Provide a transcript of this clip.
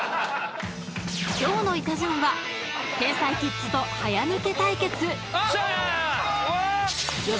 ［今日の『いたジャン』は天才キッズと早抜け対決］